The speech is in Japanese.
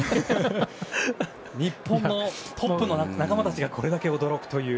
日本のトップの仲間たちがこれだけ驚くという。